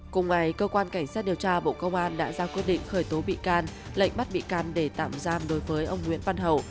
cùng ngày cơ quan cảnh sát điều tra bộ công an đã ra quyết định khởi tố bị can lệnh bắt bị can để tạm giam đối với ông nguyễn văn hậu